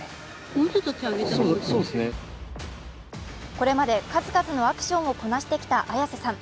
これまで数々のアクションをこなしてきた綾瀬さん。